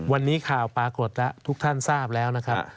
วันนี้ข่าวปรากฏแล้วทุกท่านทราบแล้วนะครับ